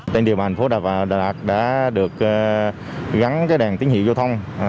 tên điều hành phố đà lạt đã được gắn đèn tín hiệu giao thông